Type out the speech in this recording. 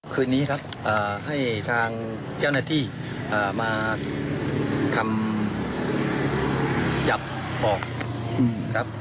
คืนนี้ครับให้ทางเจ้าหน้าที่มาทำจับออกครับ